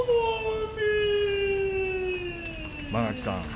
間垣さん